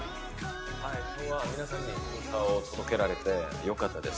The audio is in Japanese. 今日は皆さんに歌を届けられてよかったです。